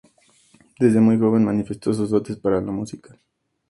Desde muy joven manifestó sus dotes para la música.